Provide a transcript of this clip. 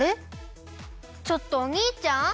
ちょっとおにいちゃん？